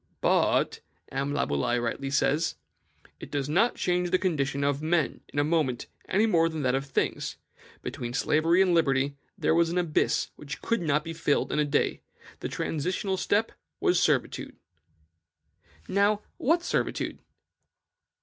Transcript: "But," M. Laboulaye rightly says, "it did not change the condition of men in a moment, any more than that of things; between slavery and liberty there was an abyss which could not be filled in a day; the transitional step was servitude." Now, what was servitude?